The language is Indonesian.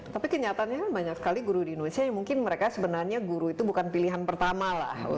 tapi kenyataannya banyak sekali guru di indonesia yang mungkin mereka sebenarnya guru itu bukan pilihan pertama lah